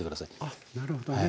あっなるほどね。